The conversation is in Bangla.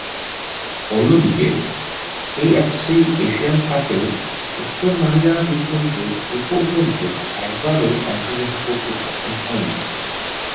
অন্যদিকে, এএফসি এশিয়ান কাপেও উত্তর মারিয়ানা দ্বীপপুঞ্জ এপর্যন্ত একবারও অংশগ্রহণ করতে সক্ষম হয়নি।